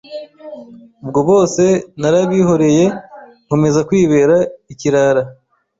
Ubwo bose narabihoreye nkomeza kwibera ikirara